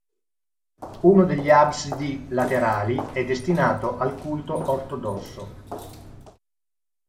Uno degli absidi laterali è destinato al culto ortodosso.